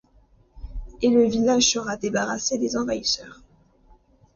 Et le village sera débarrassé des envahisseurs.